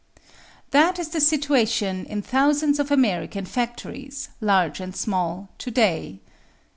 That is the situation in thousands of American factories, large and small, today.